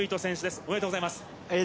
おめでとうございます。